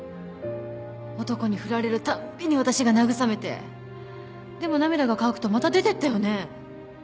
男に振られる度に私が慰めてでも涙が乾くとまた出てったよね。